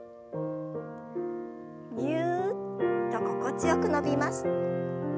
ぎゅっと心地よく伸びます。